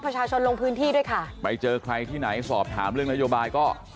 ลงพื้นที่ด้วยค่ะไปเจอใครที่ไหนสอบถามเรื่องนโยบายก็